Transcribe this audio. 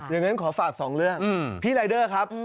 อย่างนั้นขอฝากสองเรื่องพี่รายเดอร์ครับ